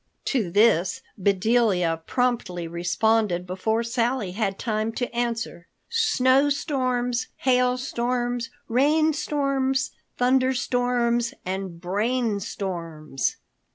To this Bedelia promptly responded before Sally had time to answer, "Snow storms, hail storms, rain storms, thunder storms and brain storms!"